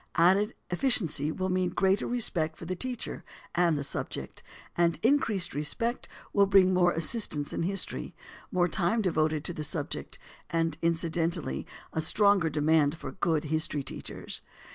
Added efficiency will mean greater respect for the teacher and the subject; and increased respect will bring more assistants in history, more time devoted to the subject, and incidentally a stronger demand for good history teachers.